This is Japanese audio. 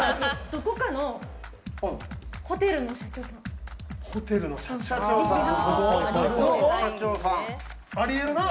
どこかのホテルの社長さん？